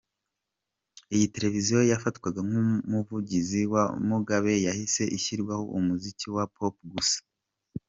Iyi televiziyo yafatwaga nk’umuvugizi wa Mugabe yahise ishyirwaho umuziki wa pop gusa.